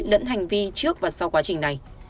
lẫn hành vi trước và sau quá trình này